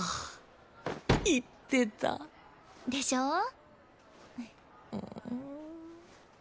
でしょ。